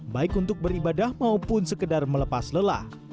baik untuk beribadah maupun sekedar melepas lelah